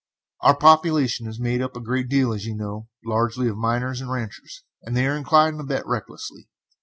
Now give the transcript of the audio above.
Our population is made up a great deal, as you know, largely of miners and ranchers, and they are inclined to bet recklessly.